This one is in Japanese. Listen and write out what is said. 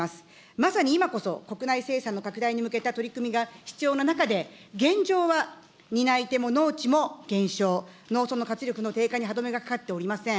まさに今こそ国内生産の拡大に向けた取り組みが必要な中で、現状は担い手も農地も減少、農村の活力の低下に歯止めがかかっておりません。